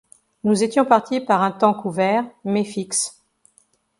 Nous étions partis par un temps couvert, mais fixe.